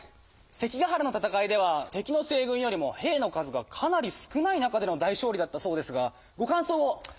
関ヶ原の戦いでは敵の西軍よりも兵の数がかなり少ない中での大勝利だったそうですがご感想を！